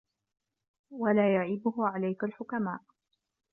وَلَا يَعِيبُهُ عَلَيْك الْحُكَمَاءُ